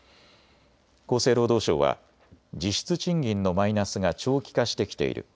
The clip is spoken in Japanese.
厚生労働省は実質賃金のマイナスが長期化してきている。